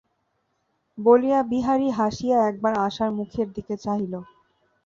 বলিয়া বিহারী হাসিয়া একবার আশার মুখের দিকে চাহিল।